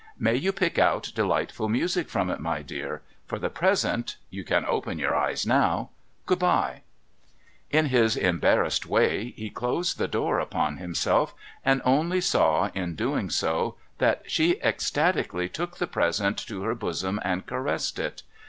May you pick out delightful music from it, my dear ! For the present — you can open your eyes now — good bye !' In his embarrassed way, he closed the door upon himself, and only saw, in doing so, that she ecstatically took the present to her bosom and caressed it.